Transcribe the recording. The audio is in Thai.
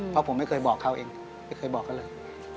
เพราะผมไม่เคยบอกเขาเองไม่เคยบอกเขาเลย